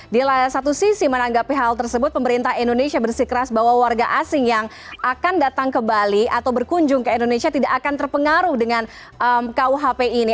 di satu sisi menanggapi hal tersebut pemerintah indonesia bersikeras bahwa warga asing yang akan datang ke bali atau berkunjung ke indonesia tidak akan terpengaruh dengan kuhp ini